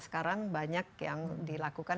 sekarang banyak yang dilakukan